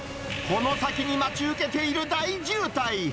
この先に待ち受けている大渋滞。